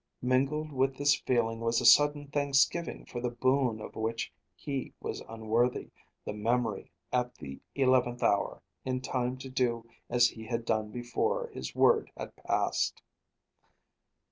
Mingled with this feeling was a sudden thanksgiving for the boon of which he was unworthy; the memory at the eleventh hour, in time to do as he had done before his word was passed.